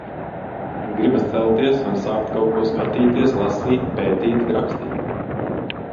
Gribas celties un sākt kaut ko skatīties, lasīt, pētīt, rakstīt.